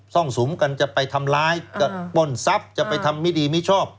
่องสุมกันจะไปทำร้ายจะปล้นทรัพย์จะไปทำไม่ดีไม่ชอบ